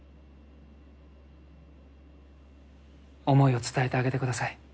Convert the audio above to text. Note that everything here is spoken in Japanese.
思いを伝えてあげてください。